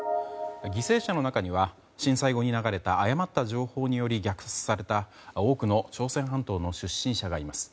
犠牲者の中には震災後に流れた誤った情報により虐殺された多くの朝鮮半島の出身者がいます。